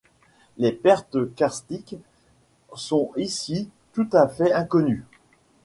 Les pertes karstiques sont ici tout à fait inconnues.